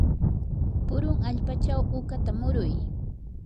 purun allpachaw uqata muruy.